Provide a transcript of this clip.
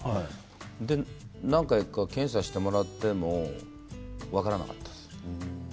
何回か検査してもらっても分からなかったんです。